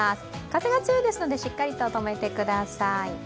風が強いのでしっかりととめてください。